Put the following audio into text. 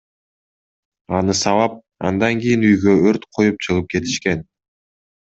Аны сабап, андан кийин үйгө өрт коюп чыгып кетишкен.